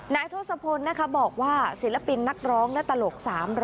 ทศพลบอกว่าศิลปินนักร้องและตลก๓๐๐